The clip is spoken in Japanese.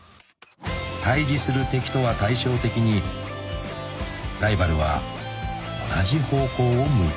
［対峙する敵とは対照的にライバルは同じ方向を向いている］